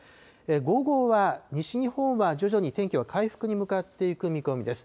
午後は西日本は徐々に天気は回復に向かっていく見込みです。